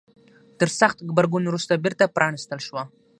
تر سخت غبرګون وروسته بیرته پرانيستل شوه.